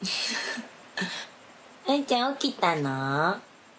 アニちゃん、起きたの？